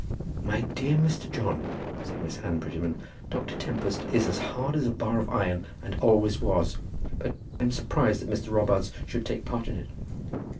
"My dear Mr. John," said Miss Anne Prettyman, "Dr. Tempest is as hard as a bar of iron, and always was. But I am surprised that Mr. Robarts should take a part in it."